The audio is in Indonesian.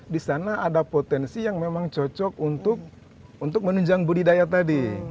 di sana ada potensi yang memang cocok untuk menunjang budidaya tadi